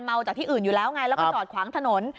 จากที่อื่นอยู่แล้วไงแล้วก็จอดขวางถนน